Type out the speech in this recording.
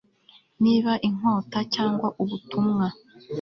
niba inkota, cyangwa ubutumwa